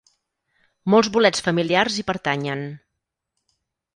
Molts bolets familiars hi pertanyen.